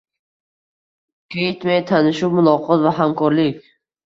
“Caitme”: tanishuv, muloqot va hamkorlik